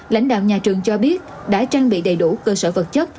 lãnh đạo nhà trường cho biết đã trang bị đầy đủ cơ sở vật chất